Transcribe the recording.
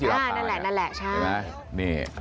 อ้าวนั้นแหละใช่